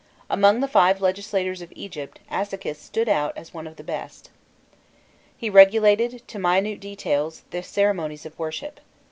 Among the five legislators of Egypt Asychis stood out as one of the best. He regulated, to minute details, the ceremonies of worship.